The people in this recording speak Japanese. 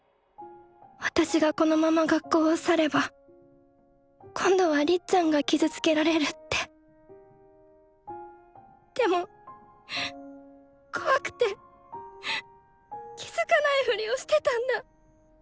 私がこのまま学校を去れば今度はりっちゃんが傷つけられるってでも怖くて気付かないふりをしてたんだ。